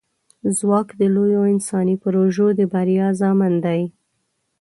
ځواک د لویو انساني پروژو د بریا ضامن دی.